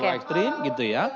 begitu ekstrim gitu ya